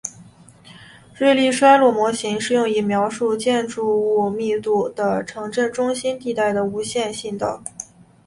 瑞利衰落模型适用于描述建筑物密集的城镇中心地带的无线信道。